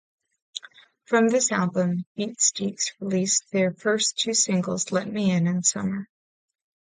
From this album, Beatsteaks released their first two singles "Let Me In" and "Summer".